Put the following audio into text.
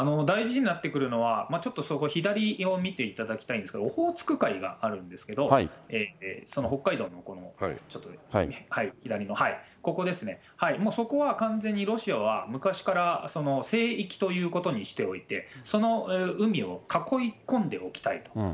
大事になってくるのは、ちょっとそこ、左を見ていただきたいんですけれども、オホーツク海があるんですけれども、その北海道のところの、ちょっと左の、ここですね、そこは完全にロシアは昔からその聖域ということにしておいて、その海を囲い込んでおきたいと。